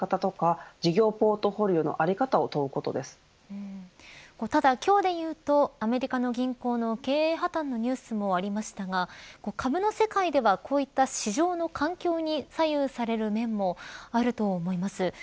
その本質というのは企業のキャッシュの使い方や事業ポートフォリオのただ、今日でいうとアメリカの銀行の経営破綻のニュースもありましたが株の世界ではこういった市場の環境に左右される面もあると思います。